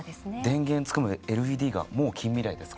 電源つくまでＬＥＤがもう近未来です